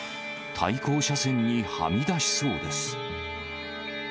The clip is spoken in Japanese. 対向車線にはみ出しそうです。